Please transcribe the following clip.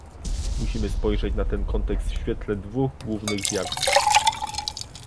Musimy spojrzeć na ten kontekst w świetle dwóch głównych zjawisk